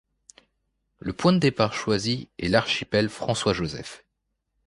Le point de départ choisi est l'archipel François-Joseph.